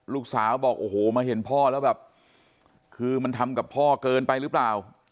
ลูกสาวบอกโอ้โหมาเห็นพ่อแล้วแบบคือมันทำกับพ่อเกินไปหรือเปล่า